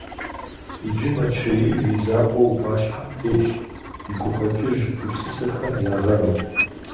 Иджы Мэчрэӏил и закъуэу ӏуащхьэм тетщ и гукъэкӏыж гупсысэхэм я гъэру.